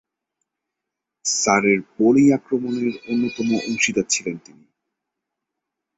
সারের বোলিং আক্রমণের অন্যতম অংশীদার ছিলেন তিনি।